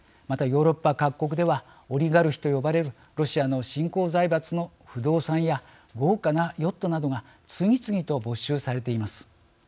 またヨーロッパ各国ではオリガルヒと呼ばれるロシアの新興財閥の不動産や豪華なヨットなども次々と没収されています。